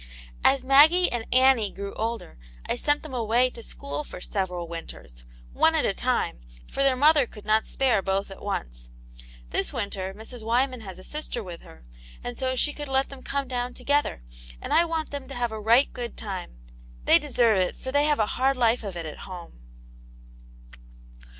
As Maggie and Anpie grew older, I sent them away to school for several winters, one at a time, vfc5r their mother could not spare both at once. This winter Mrs. Wyman has a sister with her, and so she could let them come together, and I want them to have a right good time; they deserve it, for they have a hard life of it at home."